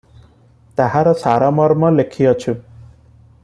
ତାହାର ସାରମର୍ମ ଲେଖିଅଛୁ ।